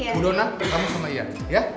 budona kamu sama ian ya